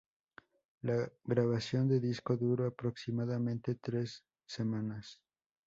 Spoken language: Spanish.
La grabación del disco duró aproximadamente tres semanas.